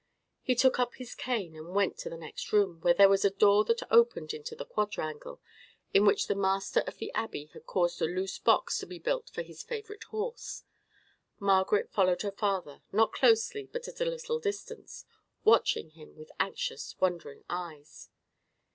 He took up his cane, and went to the next room, where there was a door that opened into the quadrangle, in which the master of the Abbey had caused a loose box to be built for his favourite horse. Margaret followed her father, not closely, but at a little distance, watching him with anxious, wondering eyes.